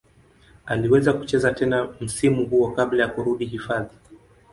Aliweza kucheza tena msimu huo kabla ya kurudi hifadhi.